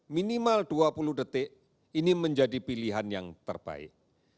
minimal dua puluh detik ini menjadi pilihan yang terbaik